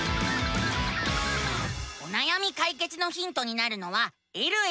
おなやみ解決のヒントになるのは「えるえる」。